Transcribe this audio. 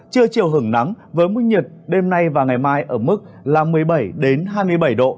chưa chiều hưởng nắng với mức nhiệt đêm nay và ngày mai ở mức năm mươi bảy hai mươi bảy độ